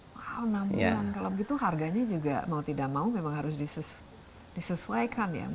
wow enam bulan kalau begitu harganya juga mau tidak mau memang harus disesuaikan ya